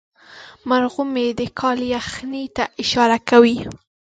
مرغومی د کال یخنۍ ته اشاره کوي.